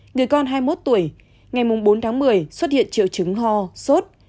người con hai mươi một tuổi ngày bốn tháng một mươi xuất hiện triệu chứng ho sốt